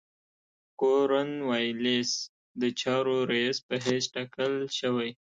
کورن والیس د چارو رییس په حیث تاکل شوی.